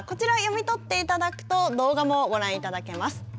こちら読み取っていただくと動画もご覧いただけます。